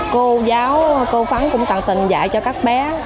cô giáo cô phán cũng tặng tình dạy cho các bé